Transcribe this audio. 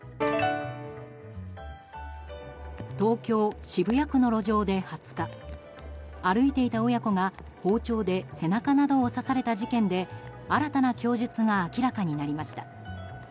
東京・渋谷区の路上で２０日歩いていた親子が包丁で背中などを刺された事件で新たな供述が明らかになりました。